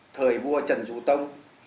thời vua trần dũ tông